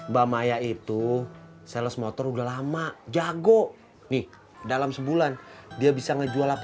bamaya itu sales motor udah lama jago nih dalam sebulan dia bisa ngejual